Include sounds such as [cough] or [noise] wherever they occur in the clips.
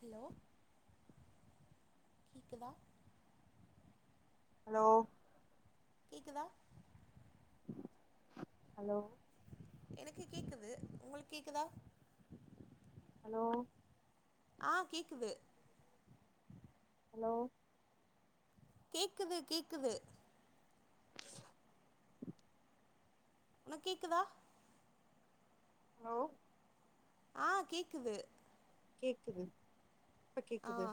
hello கேக்குதா hello கேக்குதா hello எனக்கு கேக்குது உங்களுக்கு கேக்குதா ஹலோ ஆ கேக்குது ஹலோ கேக்குது கேக்குது உன கேக்குதா ஹலோ ஆ கேக்குது கேக்குது இப்ப ஆ கேக்குது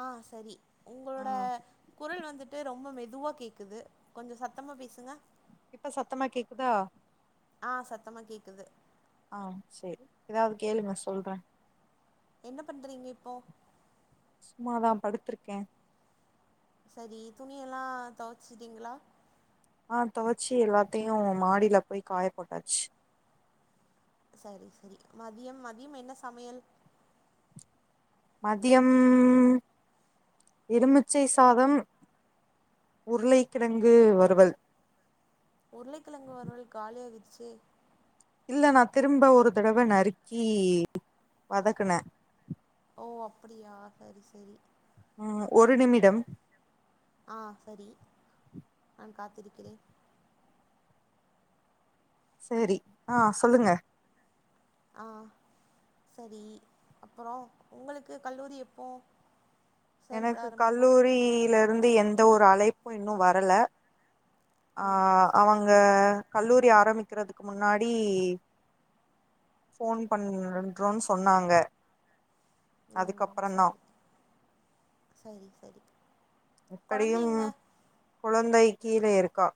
ஆ சரி ஆ உங்களோட குரல் வந்துட்டு ரொம்ப மெது மெதுவா கேக்குது கொஞ்சம் சத்தமா பேசுங்க இப்ப சத்தமா கேக்குதா ஆ சத்தமா கேக்குது ஆ சரி ஏதாவது கேளுங்க சொல்றேன் என்ன பண்றீங்க இப்போ சும்மாதான் படுத்திருக்கேன் சரி துணில்லாம் தொவச்சிட்டீங்களா ஆ தொவச்சி எல்லாத்தையும் மாடியில போய் காய போட்டாச்சு செரி செரி மதியம் மதியம் என்ன சமையல் மதியம் எலுமிச்சை சாதம் உருளை கிழங்கு வருவல் உருளைக்கிழங்கு வருவல் காலியாக வி செ இல்ல நான திரும்ப ஒரு தடவை நறுக்கி வதக்குனே ஓ அப்டியா செரி செரி ம் ஒரு நிமிடம் ஆ செரி நான காத்திருக்கிறேன் செரி ஆ சொல்லுங்க ஆஹ் சரி அப்புறம் உங்களுக்கு கல்லூரி எப்போ செயல்பட எனக்கு ஆரம்பிக்கு கல்லூரியில இருந்து எந்த ஒரு அழைப்பும் இன்னும் வரல ஆ ம் சரி அவங்க கல்லூரி ஆரம்பிக்கிறதுக்கு முன்னாடி போன் பண்றோன்னும் சொன்னாங்க ம் அதுக்கப்புறந்தா செரி செரி செரி எப்டியும் கெழந்த் முந்தை கீழ இருக்கா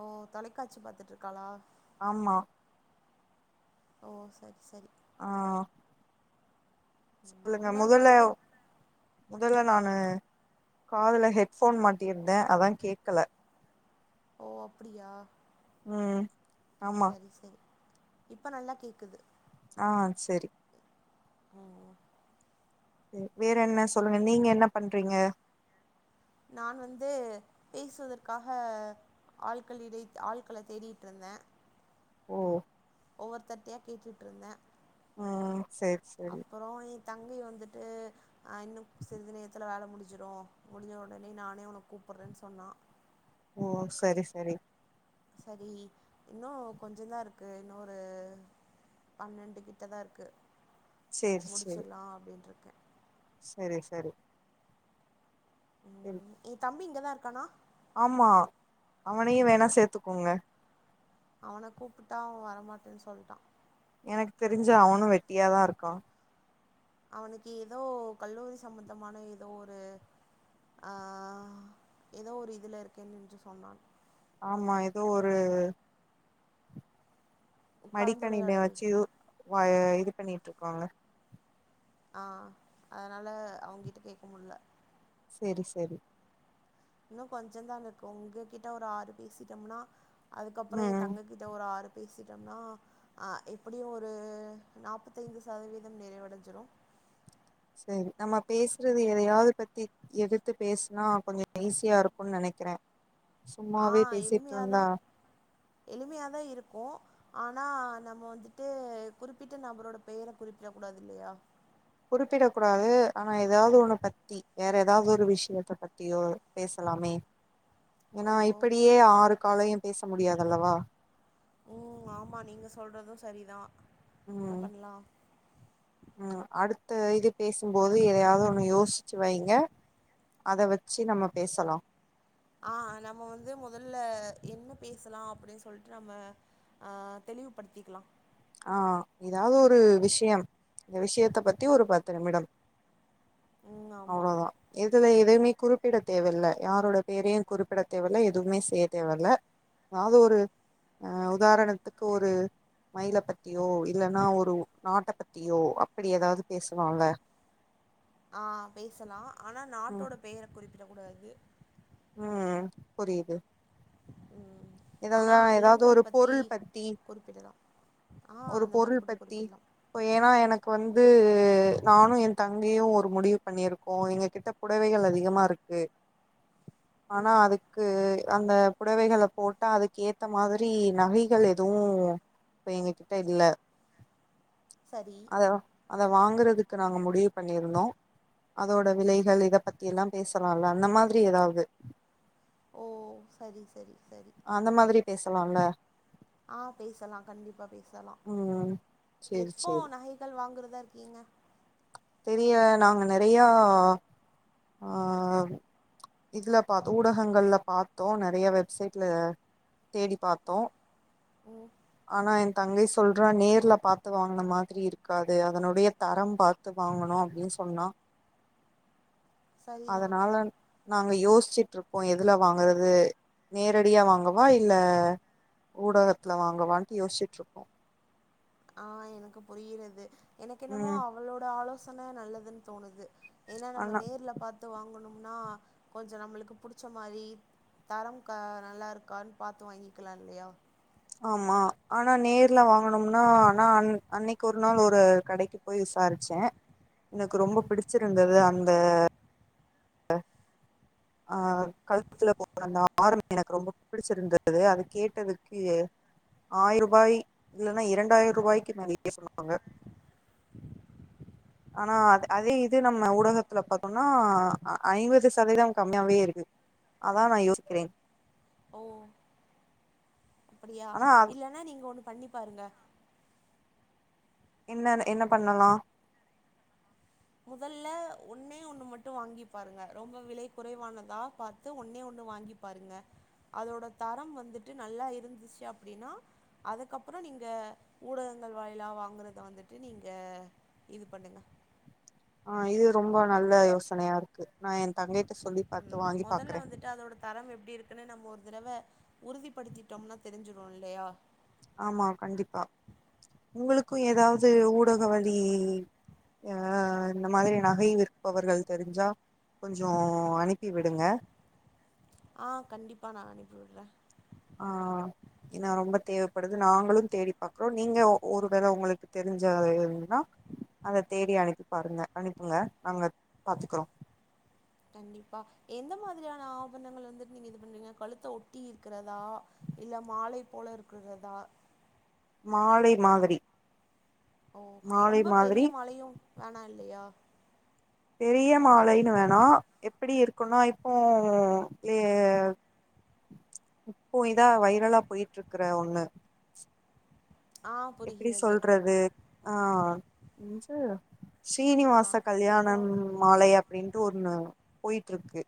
ஓ தொலைக்காட்சி பாத்துட்டு இருக்காளா ஆமா ஓ செரி செரி ஆஹ ம், சொல்லுங்க இன்னொரு முதல கொழந்தை முதல்ல நானு காதுல ஹெட் போன் மாட்டியிருந்தேன் அதான் கேக்கல ஓ அப்டியா ம் ஆமா செரி செரி இப்ப நல்லா கேக்குது ஆ செரி ம் வேற என்ன சொல்லுங்க நீங்க என்ன பண்றீங்க நான் வந்து பேசுவதற்காக ஆட்களிடை ஆட்களை தேடிட்டு இருந்தேன் ஓ ஓவர் கிட்டய கேட்டுட்டு இருந்தேன் ஆ செரி செரி எ தங்கை வந்துட்டு இன்னும் சிறிது நேரத்தில வேல நானே உனக்கு கூப்பிடடு்றேன்னு சொன்னான் ஓ செரி செரி சரி இன்னும் கொஞ்ச தான் இருக்கு இன்னொரு பன்னெண்டு கிட்டதான் இருக்கு செரி முடிச்சிடலாம் அப்டின் இருக்கேன் செரி செரி உம் ஏய் தம்பி இங்க தான் இருக்கானா ஆமா அவனையும் வேணா சேத்துக்கோங்க அவனை கூப்பிட்டா வரமாட்டேன்னு சொல்ட்டான் எனக்கு தெரிஞ்ச அவனும் வெட்டியாதான் இருக்கான் அவனுக்கு ஏதோ கல்லூரி சம்மந்தமான ஏதோ ஒரு ஆஹ ஏதோ ஒரு இதுல இருக்கேன்னு என்று சொன்னான் ஆமா ஏதோ ஒரு மடிக்கணில கலந்துரையாடல் வச்சு இது பண்ணிட்டு இருக்கங்க ஆஹ அதனால அவங்கிட்ட கேட்க முடியல செரி செரி இன்னும் கொஞ்சம் தான் இருக்கும் உங்ககிட்ட ஒரு ஆறு பேசிட்டோம்னா அதுகப்புறம் என் ம் தங்ககிட்ட ஒரு ஆறு பேசிட்டம்னா அஹ எப்படியும் ஒரு நாப்பத்தைந்து சதவீதம் நிறைவடைஞ்சிரும் சரி நம்ம பேசுறது எதையாவது பத்தி எடுத்து பேசனா கொஞ்சம் ஈஸியா இருக்கும்னு நினைக்கிறேன் ஆ எளிமையாதான் எளிமையாதான் இருக்கும் ஆனா நம்ம வந்துட்டு குறிப்பிட்ட நபரோட பெயர குறிப்பிட கூடாது இல்லையா குறிப்பிடக் கூடாது ஆனா ஏதாவது ஒண்ண பத்தி வேற ஏதாவது ஒரு விஷ்யத்த பத்தியோ பேசலாமே ஓ ஏன்னா இப்படியே ஆறு காலையும் பேச முடியாதல்லவா உம் ஆமா நீங்க சொல்றதும் சரிதான் என்ன பண்லாம் உம் அடுத்த இது பேசும்போது எதையாவது ஒண்ணு யோசிச்சு வைங்க அத வச்சு நம்ம பேசலாம் ஆஹ நம்ம வந்து முதல்ல என்ன பேசலாம் அப்படின்னு சொல்லிட்டு நம்ம அஹ தெளிவுபடுத்திக்கலாம் ஆ ஏதாவது ஒரு விஷயம் இந்த விஷயத்த பத்தி ஒரு பத்து நிமிடம் ம் ஆமா அவ்ளோ தான் எ இதுல எதயுமே குறிப்பிட தேவல யாரோட பேரையும் குறிப்பிட தேவல எதுவுமே செய்ய தேவல எதாது ஒரு அ உதாரணத்துக்கு ஒரு மயில பத்தியோ இல்லன்னா ஒரு நாட்ட பத்தியோ அப்டி ஏதாவது பேசலான்ல ஆ பேசலாம் ஆனா நாட்டோட பெயரை குறிப்பு விடக்கூடாது உம் புரியுது ம் ஆனா இதெல்லா ஏதாவது ஒரு விலங்குகள் பொருள் பத்தி குறிப்பிடலா ஆ ஒரு அந்த மாரி பொருள் கூட பத்தி குறிப்பிடலா இப்ப ஏன்னா எனக்கு இப்ப வந்து நானும் என் தங்கையும் ஒரு முடிவு பண்ணிருக்கோம் எங்க கிட்ட புடவைகள் அதிகமா இருக்கு ஆனா அதுக்கு அந்த புடவைகல போட்டா அதுக்கு ஏத்த மாதிரி நகைகள் எதுவும் இப்ப எங்க கிட்ட இல்ல சரி அத அத வாங்குறதுக்கு நாங்க முடிவு பண்ணியிருந்தோம் அதோட விலைகள் இதை பத்தி எல்லாம் பேசலாம்ல அந்த மாதிரி ஏதாவது [unintelligible] ஓ சரி சரி சரி பேசலாம்ல ஆஹ் பேசலா கண்டிப்பா பேசலா ம் சேரி எப்போ சேரி நகைகள் வாங்குறது எங்க இருக்கீங்க தெரிய நாங்க நெறைய ஆஹ் இதுல பாத்தோ ஊடகங்கள்ல பாத்தோ நெறைய வெப்சைட்ல தேடி பாத்தோ ம் ஆனா இ தங்கை சொல்றா நேர்ல பாத்து வாங்ன மாதிரி இருக்காது அதனுடைய தரம் ப பாத்து வாங்கனோ அப்டினு சொன்னா சரிதான் அதனால நாங்க யோசி யோசிச்சுட்டு இருக்கோ எதுல வாங்கறது நேரடியா வாங்கவா இல்ல ஊடகத்துல வாங்கவான்டு யோச்சுட்டு இருக்கோ ஆஹ் எனக்கு புரியறது எனக்கு என்னமோ ம் அவளோட ஆலோச ஆனா நல்லதுன் தோணுது ஏன்னா நம்ம ஆனா நேர்ல பாத்து வாங்கணும் ன்னா கொஞ்ச நம்ளுக்கு புடிச்ச மாரி தரம் க நல்லா இருக்கான்னு பாத்து வாங்கிக்கலா இல்லயா ஆமா ஆனா நேர்ல வாங்கனம்னா ஆனா அன் அன்னைக்கு ஒரு நாள் ஒரு கடைக்கு போய் விசாரிச்சே எனக்கு ரொம்ப ம் பிடிச்சிருந்தது அன் அ அ ஆஹ் கழுத்துல [inaudible] அந்த ஆரம் எனக்கு ரொம்ப பிடிச்சிருந்தது அது கேட்டதுக்கு ஆயிரூபாய் இல்லனா இரண்டாயிரரூபாய்க்கு [inaudible] சொன்னாங்க ஆனா அ - அதே இது நம்ம ஊடகத்துல பாத்தோனா ஐ ஐம்பது சதவீதம் கம்மியாவே இருக்குது அதா நா யோசிக்கிறேன் ஓ அப்டியா ஆனா இல்லன்னா நீங்க ஒன்னு பண்ணி பாருங்க என்ன இது என்ன பண்ணலா முதல்ல ஒண்ணே ஒண்ணு மட்டு வாங்கி பாருங்க ரொம்ப விலை குறைவானதா பாத்து ஒண்ணே ஒண்ணு வாங்கி பாருங்க அதோட தரம் வந்துட்டு நல்லா இருந்துச்சு அப்டினா அதுக்கப்புற நீங்க ஊடகங்கள் வாயிலா வாங்குறத வந்துட்டு நீங்க இது பண்ணுங்க ஆஹ இது ரொம்ப நல்ல யோசனையா இருக்கு நா என் தங்கைட்ட சொல்லி பாத்து உம் வாங்கி மொதல்ல பாக்குறே வந்துட்டு அதோட தரம் எப்டி இருக்குன்னு நம்ம ஒரு தடவ உறுதிப்படுத்திட்டோம்னா தெரிஞ்சிறோ இல்லையா ஆமா கண்டிப்பா உங்களுக்கு க்கு ஏதாவது ஊடக வழி அஹ் இந்த மாதிரி நகை விற்பவர்கள் தெரிஞ்சா கொஞ்ச அனுப்பி விடுங்க ஆஹ் கண்டிப்பா நா அனுப்பி விர்றே ஆஹ் ஏன்னா ரொம்ப தேவைப்படுது நாங்களு தேடி பாக்குறோ நீங்க ஒரு வேளை உங்களுக்கு தெரிஞ்ச [unintelligible] அத தேடி அனுப்பி பாருங்க அனுப்புங்க நாங்க பாத்துக்றோ கண்டிப்பா எந்த மாதிரியான ஆபணங்கள் வந்துட்டு நீங்க இது பண்றீங்க கழுத்த ஒட்டி இருக்கிறதா இல்ல மாலை போல இருக்கிறதா மாலை மாதிரி ஓ மாலை ரொம்ப மாதிரி பெரிய மாலையு வேணா இல்லையா பெரிய மாலைனு வேனா எப்படி இருக்குனா இப்போ லே இப்போ இதா வைரலா போயிட்ருக்குற ஒண்ணு ஆ எப்டி புரிகிறது சொல்றது ஆ [unintelligible] ஆ ஸ்ரீனிவாச இப்போ கல்யாணம் மாலை அப்டின்ட்டு ஒன்னு போயிட்டு இருக்கு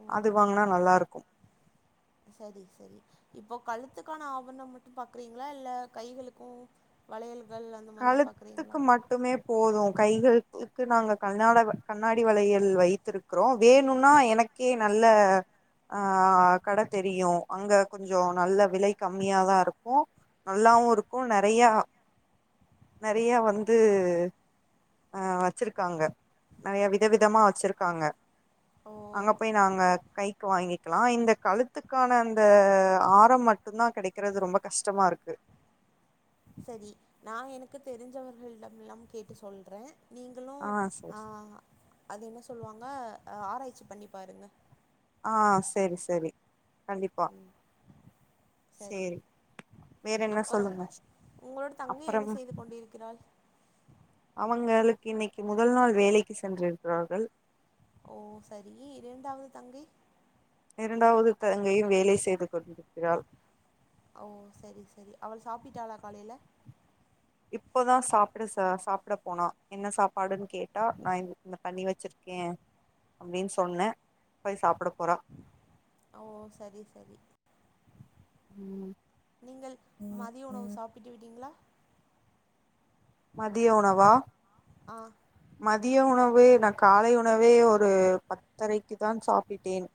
ம் அது வாங்குனா நல்லா இருக்கு சரி சரி இப்போ கழுத்துக்கான ஆபரணம் மட்டும் பாக்குறீங்களா இல்ல கைகளுக்கும் வளையல கழுத்துக்கு மட்டுமே போதும் கைகளுக்கு நாங்க கல்லான கண்ணாடி வலையல் வைத்திருக்கிறோம் வேணும்னா எனக்கே நல்ல ஆஹ் கடை தெரியும் அங்க கொஞ்சம் நல்ல விலை கம்மியாதான் இருக்கும் நல்லாவும் இருக்கும் நெறைய நெறையா வந்து ஆஹ் வச்சிருக்காங்க நெறைய விதவிதமா வச்சிருக்காங்க ஓ அங்க போயி நாங்க கைக்கு வாங்கிக்லாம் இந்த கழுத்துக்கான அந்த ஆரம் மட்டும்தான் கெடைக்கிறது ரொம்ப கஷ்டமா இருக்கு செரி நான் எனக்கு தெரிஞ்சவங்களிடலாம் கேட்டு சொல்றேன் ஆ நீங்களும்ஹ சரி அது என்ன சொல் சொல்லுவாங்க ஆராய்ச்சி பண்ணி பாருங்க ஆஹ் சேரி சேரி கண்டிப்பா ம் சரி சேரி வேற என்ன அப்புறம் சொல்லுங்க உங்களோட தங்கை என்ன அப்றம் செய்து கொண்டிருக்கிறாள் அவங்களுக் இன்னைக்கு முதல் நாள் வேலைக்கு சென்றிருக்கிறார்கள் ஓ சரி இண்டாவது தங்கை இரண்டாவது தங்கையும் வேலை செய்து கொண்டிருக்கிறாள் ஓ செரி செரி அவள் சாப்பிட்டாளா காலையில இப்போதா சாப்பிட சாப்பிட போனா என்ன சாப்பாடுன்னு கேட்டா நான் இந்த பண்ணி வச்சிருக்கேன் அப்புடின்னு சொன்னேன் போய் சாப்பிட போறா ஓ சரி சரி உம் நீங்கள் மதிய உணவு சாப்பிட்டு விட்டீங்களா மதிய உணவா ஆ மதிய உணவு நான் காலை உணவே ஒரு பத் தரைக்கு தான் சாப்பிட்டேன்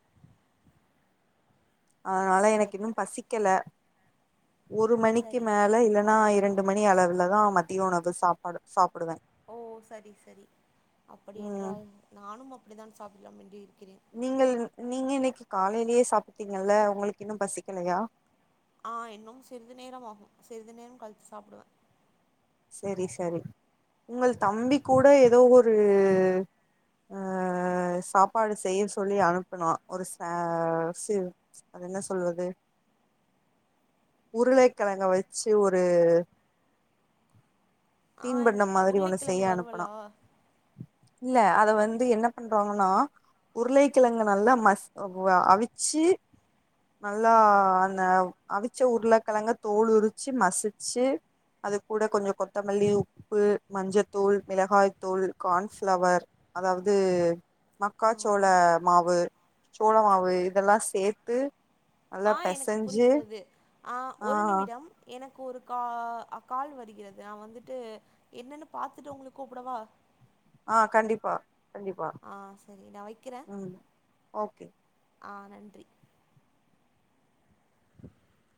அதனால எனக்கு சரி இன்னும் பசிக்கல ஒரு மணிக்கு சரி மேல இல்லன்னா ரெண்டு மணி அளவுல தான் மத்திய உணவு சாப்பாடு சாப்ப ஓ சரி சரி அப்படி ம் என்றால் நானும் அப்டி தான் சாப்பிடாண்டி நீங்கள் நீங்க இன்னைக்கு காலையிலயே சாப்பிட்டீங்கல்ல உங்களுக்கு இன்னும் பசிக்கிலையா ஆஹ் இன்னும் சிறிது நேரம் ஆகும் சிறிது நேரம் கழிச்சு சாப்புடுவே செரி செரி உங்கள் தம்பி கூட ஏதோ ஒரு அஹ் சாப்பாடு செய்ய சொல்லி அனுப்புனா ஒரு ச ச அது என்ன சொல்வது உருளைக்கிழங்க வச்சு ஒரு ஆ தீன்பண்ட எனக்கு மாதிரி ஒண்ணு உருளைக்கிழங்கு செய்ய அனுப்புனா வறுவலா இல்ல அத வந்து என்ன பண்றாங்கன்னா உருளைக்கிழங்கு நல்லா ம அவிச்சு நல்லா அந்த அவிச்ச உருளைக்கிழங்க தோல் உரிச்சு மசிச்சு அது கூட கொஞ்சம் கொத்தமல்லி உப்பு மஞ்சத்தூள் மிளகாய் தூள் கார்ன்ப்ளவர் அதாவது ஆ மக்காச்சோள மாவு சோள மாவு இதெல்லாம் சேத்து நல்லா ஆ எனக்கு பெசஞ்சு புரிகிறது ஆ ஒரு நிமிடம் எனக் ஒரு கா அ கால் வருகிறது நான் வந்துட்டு என்னன்னு பார்த்துட்டு உங்களுக்கு கூப்படவா ஆ கண்டிப்பா கண்டிப்பா சரி நான் வைக்கிறேன் ம் ஓகே ஆ நன்றி [inaudible]